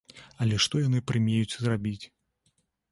Але што яны прымеюць зрабіць?